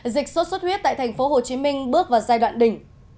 dịch sốt xuất huyết tại tp hcm bước vào giai đoạn đỉnh